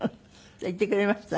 行ってくれました？